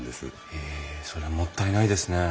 へえそれはもったいないですね。